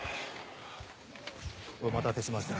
お待たせしました。